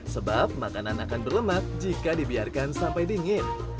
sebab makanan akan berlemak jika dibiarkan sampai dingin